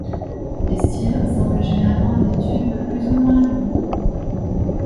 Les styles ressemblent généralement à des tubes plus ou moins longs.